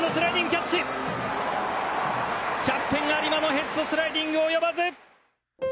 キャプテン有馬のヘッドスライディング及ばず。